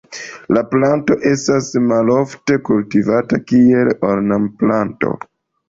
La planto estas malofte kultivata kiel ornamplanto.